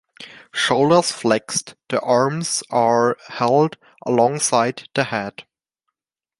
Shoulders flexed: the arms are held alongside the head.